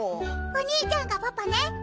お兄ちゃんがパパね。